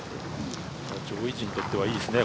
上位陣にとってはいいですね